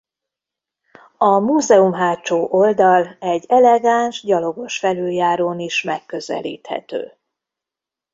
A múzeum hátsó oldal egy elegáns gyalogos felüljárón is megközelíthető.